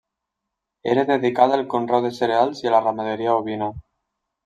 Era dedicada al conreu de cereals i a la ramaderia ovina.